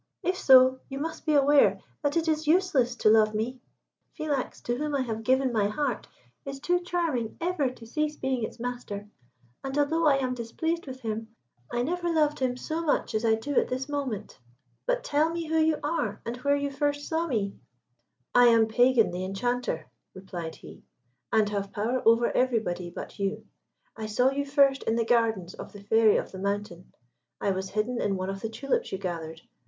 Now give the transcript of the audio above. If so, you must be aware that it is useless to love me. Philax, to whom I have given my heart, is too charming ever to cease being its master, and although I am displeased with him, I never loved him so much as I do at this moment. But tell me who you are, and where you first saw me." "I am Pagan the Enchanter," replied he, "and have power over everybody but you. I saw you first in the gardens of the Fairy of the Mountain. I was hidden in one of the tulips you gathered.